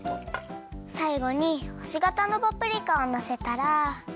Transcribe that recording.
さいごにほしがたのパプリカをのせたら。